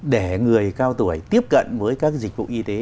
để người cao tuổi tiếp cận với các dịch vụ y tế